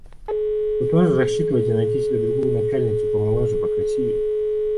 Вы тоже рассчитываете найти себе другую начальницу, помоложе, покрасивее.